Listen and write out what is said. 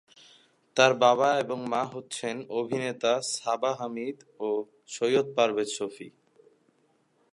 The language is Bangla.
তার বাবা এবং মা হচ্ছেন অভিনেতা সাবা হামিদ ও সৈয়দ পারভেজ শফী।